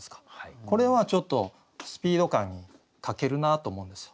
これはちょっとスピード感に欠けるなと思うんですよ。